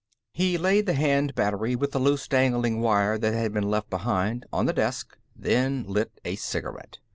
He laid the hand battery, with the loose dangling wire that had been left behind, on the desk, then lit a cigarette.